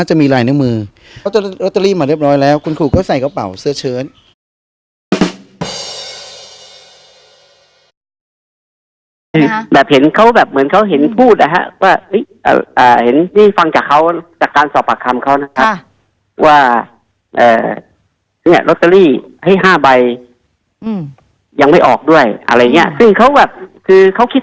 อ่าจำเป็นไหมว่าสมมุติพยานคนนี้นั่งซื้อของอยู่จำเป็นไหมแม่ค้าหันหน้ามองใครน่าเห็นมากกว่ากัน